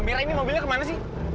mira ini mobilnya kemana sih